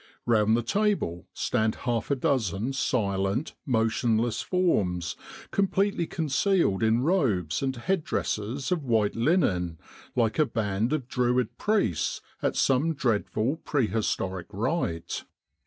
Round the table stand half a dozen silent, motion less forms completely concealed in robes and head dresses of white linen, like a band of Druid priests at some dreadful prehistoric rite.